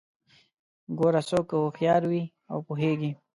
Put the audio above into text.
ګوره څوک که لږ هوښيار وي او پوهیږي